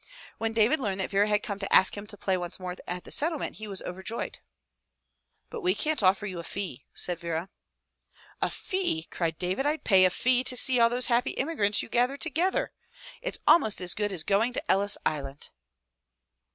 When David learned that Vera had come to ask him to play once more at the Settlement he was overjoyed. "But we can't offer you a fee," said Vera. "A fee!" cried David. "I'd pay a fee to see all those happy immigrants you gather together. It's almost as good as going to Ellis Island."